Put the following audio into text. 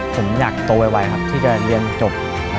เราจะไม่ยอมให้หลานเราอด